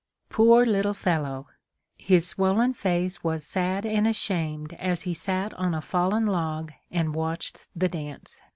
Poor little fellow! His swollen face was sad and ashamed as he sat on a fallen log and watched the dance.